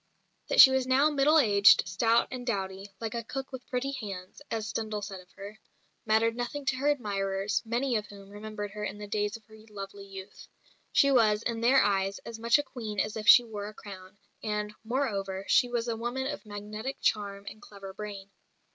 That she was now middle aged, stout and dowdy "like a cook with pretty hands," as Stendhal said of her mattered nothing to her admirers, many of whom remembered her in the days of her lovely youth. She was, in their eyes, as much a Queen as if she wore a crown; and, moreover, she was a woman of magnetic charm and clever brain.